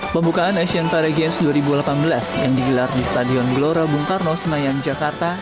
pembukaan asean para games dua ribu delapan belas yang digelar di stadion glora bung karno senayan jakarta